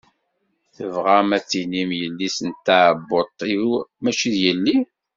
Tebɣam ad d-tinim yelli n tɛebbuṭ-iw mačči d yelli?